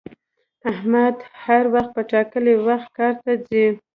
احمد هر وخت په ټاکلي وخت کار ته ځي